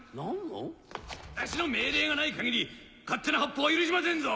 私の命令がない限り勝手な発砲は許しませんぞ！